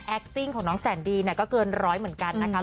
ติ้งของน้องแสนดีเนี่ยก็เกินร้อยเหมือนกันนะคะ